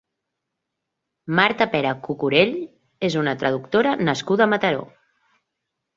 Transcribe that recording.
Marta Pera Cucurell és una traductora nascuda a Mataró.